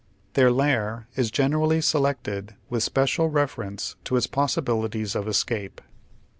Their lair is generally selected with special refei enec to its possibilities of escape.